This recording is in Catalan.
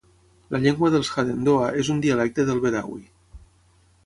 La llengua dels Hadendoa és un dialecte del Bedawi.